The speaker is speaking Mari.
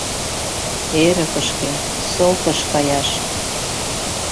Эрыкышке... ссылкыш каяш.